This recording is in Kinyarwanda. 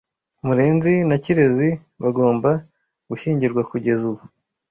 Murenzi na Kirezi bagomba gushyingirwa kugeza ubu.